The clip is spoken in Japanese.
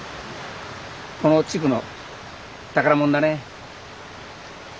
この地区の宝もんだね。